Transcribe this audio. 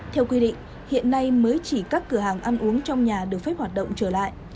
theo quy định hiện nay mới chỉ các cửa hàng ăn uống trong nhà được phép hoạt động trở lại